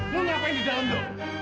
lu ngapain di dalam do